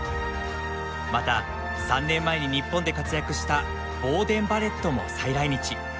また、３年前に日本で活躍したボーデン・バレットも再来日。